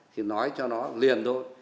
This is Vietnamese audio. thì nói cho nó liền thôi